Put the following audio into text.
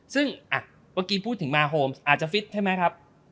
ซึ่งเมื่อกี้พูดถึงมาโฮมอาจจะฟิตใช่ไหมครับ